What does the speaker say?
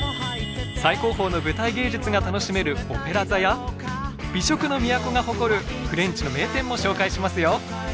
最高峰の舞台芸術が楽しめるオペラ座や美食の都が誇るフレンチの名店も紹介しますよ。